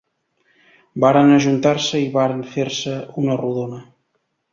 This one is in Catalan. Varen ajuntar-se i varen fer una rodona